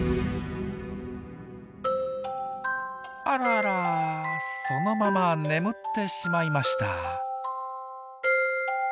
あらあらそのまま眠ってしまいました。